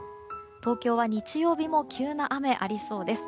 東京は日曜日も急な雨がありそうです。